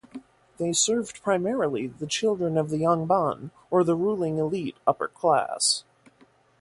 They served primarily the children of the yangban, or ruling elite upper-class.